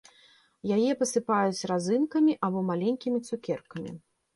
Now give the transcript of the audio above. Яе пасыпаюць разынкамі або маленькімі цукеркамі.